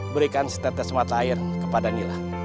berikan setetes mata air kepada nila